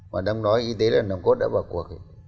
mà đang nói y tế là nồng cốt đã vào cuộc